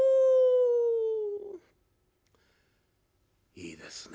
いいですね